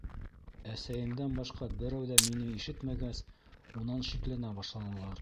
Әсәйемдән башҡа берәү ҙә мине ишетмәгәс, унан шикләнә башланылар.